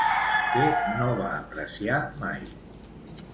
Què no va apreciar mai?